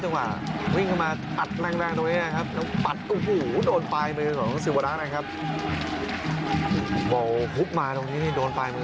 จังหวะวิ่งเข้ามาตัดแรงแรงตรงนี้นะครับ